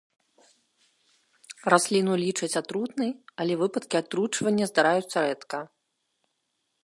Расліну лічаць атрутнай, але выпадкі атручвання здараюцца рэдка.